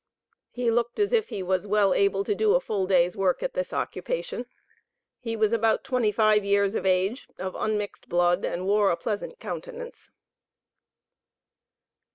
He looked as if he was well able to do a full day's work at this occupation. He was about twenty five years of age, of unmixed blood, and wore a pleasant countenance.